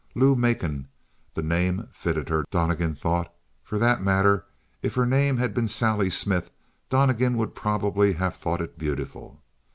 Lou Macon the name fitted her, Donnegan thought. For that matter, if her name had been Sally Smith, Donnegan would probably have thought it beautiful.